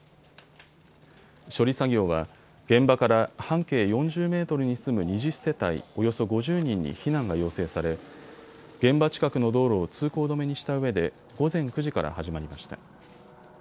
処理作業は現場から半径４０メートルに住む２０世帯、およそ５０人に避難が要請され現場近くの道路を通行止めにしたうえで午前９時から始まりました。